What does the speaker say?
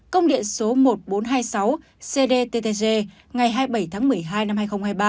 công điện số một nghìn bốn trăm hai mươi sáu cdttg ngày hai mươi bảy tháng một mươi hai năm hai nghìn hai mươi ba